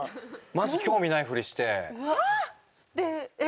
マジ興味ない振りして。